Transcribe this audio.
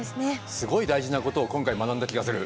すごい大事なことを今回学んだ気がする。